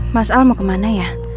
mas al mau kemana ya